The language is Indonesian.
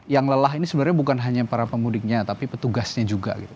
yang lelah ini sebenarnya bukan hanya para pemudiknya tapi petugasnya juga gitu